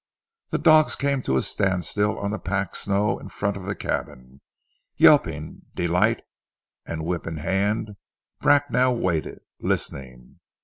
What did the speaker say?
The dogs came to a standstill on the packed snow in front of the cabin, yelping delight, and whip in hand Bracknell waited, listening.